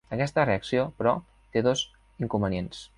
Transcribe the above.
Aquesta reacció, però, té dos inconvenients.